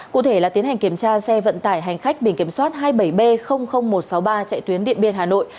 cụ thể là tiến hành kiểm tra xe vận tải hành khách biển kiểm soát hai mươi bảy b một trăm sáu mươi ba chạy tuyến điện biên hà nội